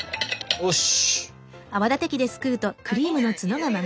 よし！